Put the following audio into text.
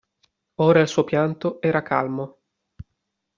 Ora il suo pianto era calmo.